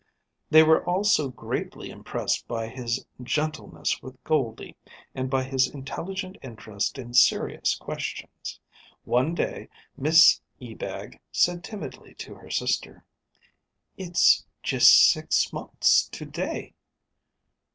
They were also greatly impressed by his gentleness with Goldie and by his intelligent interest in serious questions. One day Miss Ebag said timidly to her sister: "It's just six months to day."